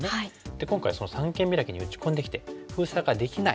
今回その三間ビラキに打ち込んできて封鎖ができない。